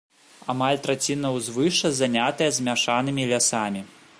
Амаль траціна ўзвышша занятая змяшанымі лясамі.